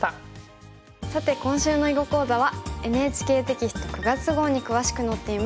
さて今週の囲碁講座はＮＨＫテキスト９月号に詳しく載っています。